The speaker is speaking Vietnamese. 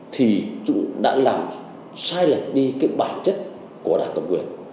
thì đã làm sai lệch đi cái bản chất của đảng cầm quyền